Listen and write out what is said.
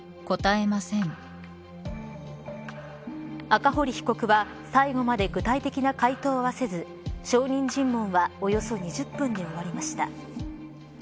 赤堀被告は最後まで具体的な回答はせず証人尋問はおよそ２０分で終わりました。